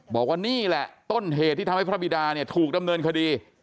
บอกว่านี่แหละต้นเหตุที่ทำให้พระบิดาเนี่ยถูกดำเนินคดี